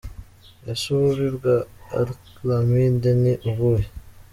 Ese ububi bwa acrylamide ni ubuhe?.